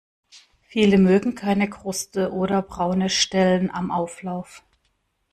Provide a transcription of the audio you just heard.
Viele mögen keine Kruste oder braune Stellen am Auflauf.